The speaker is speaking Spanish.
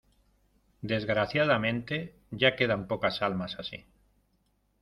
desgraciadamente, ya quedan pocas almas así.